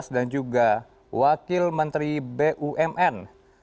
dan juga wakil menteri bumn